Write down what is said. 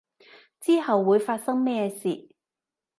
之後會發生咩事